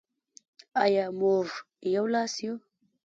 آیا موږ یو لاس یو؟